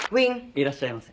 いらっしゃいませ。